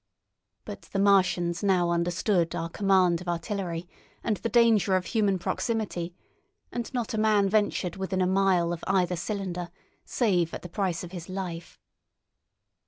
But the Martians now understood our command of artillery and the danger of human proximity, and not a man ventured within a mile of either cylinder, save at the price of his life.